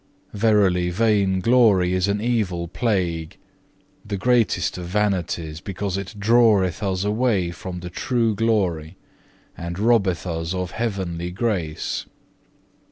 Verily vain glory is an evil plague, the greatest of vanities, because it draweth us away from the true glory, and robbeth us of heavenly grace.